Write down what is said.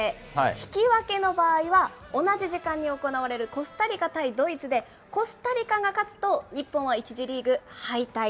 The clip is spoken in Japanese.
引き分けの場合は、同じ時間に行われるコスタリカ対ドイツで、コスタリカが勝つと、日本は１次リーグ敗退。